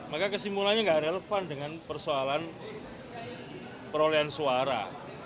maka kesimpulannya nggak relevan dengan persoalan perolehan suara